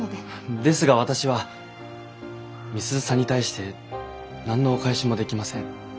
ですが私は美鈴さんに対して何のお返しもできません。